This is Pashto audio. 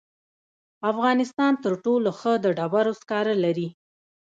افغانستان تر ټولو ښه د ډبرو سکاره لري.